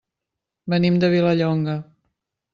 Venim de Vilallonga.